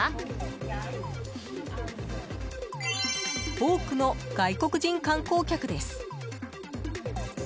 多くの外国人観光客です。